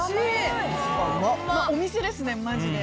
お店ですねマジで。